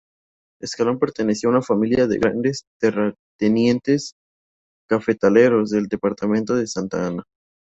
Escalón pertenecía a una familia de grandes terratenientes cafetaleros del departamento de Santa Ana.